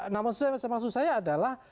nah maksud saya adalah